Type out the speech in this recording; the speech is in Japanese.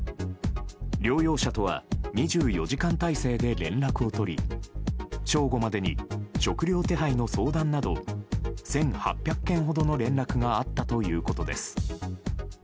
療養者とは２４時間体制で連絡を取り正午までに食料手配の相談など１８００件ほどの連絡があったということです。